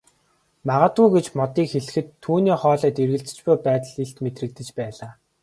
Магадгүй гэж Модыг хэлэхэд түүний хоолойд эргэлзэж буй байдал илт мэдрэгдэж байлаа.